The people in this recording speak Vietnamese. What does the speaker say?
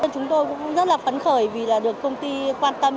chúng tôi cũng rất là phấn khởi vì là được công ty quan tâm